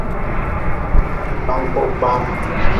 Bankpurkpaam.